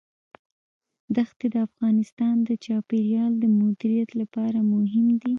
دښتې د افغانستان د چاپیریال د مدیریت لپاره مهم دي.